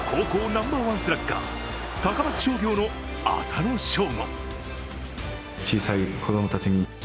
ナンバーワンスラッガー高松商業の浅野翔吾。